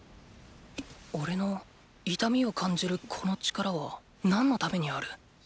おれの痛みを感じるこの力は何のためにある？